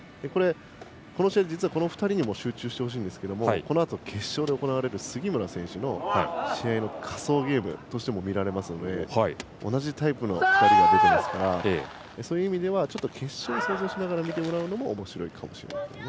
この試合実はこの２人に集中してほしいんですけどこのあと決勝で行われる杉村選手の試合の仮想ゲームとしても見られますので同じタイプの２人が出ていますからそういう意味では決勝を意識しながら見てもらうのもおもしろいかもしれないですね。